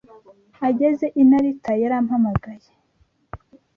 Ageze i Narita, yarampamagaye